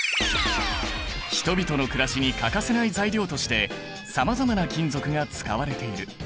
人々のくらしに欠かせない材料としてさまざまな金属が使われている。